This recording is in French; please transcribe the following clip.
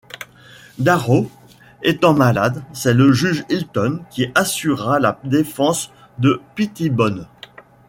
Darrow étant malade, c'est le juge Hilton qui assura la défense de Pettibone.